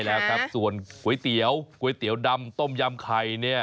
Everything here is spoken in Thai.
ใช่แล้วครับส่วนก๋วยเตี๋ยวก๋วยเตี๋ยวดำต้มยำไข่เนี่ย